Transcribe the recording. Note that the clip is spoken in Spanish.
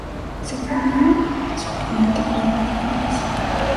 Su oponente fue Ángel Flores.